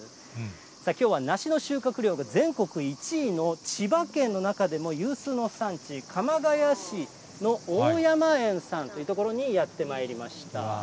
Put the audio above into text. きょうは梨の収穫量が全国１位の千葉県の中でも有数の産地、鎌ケ谷市の大山園さんという所にやってまいりました。